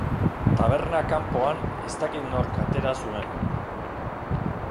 Taberna kanpoan, eztakit nork atera zuen.